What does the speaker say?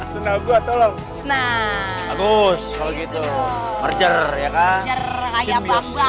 senang gue tolong nah bagus kalau gitu merger ya kan